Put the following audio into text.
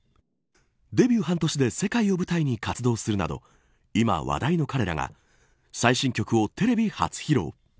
デビュー半年で世界を舞台に活動するなど今、話題の彼らが最新曲をテレビ初披露。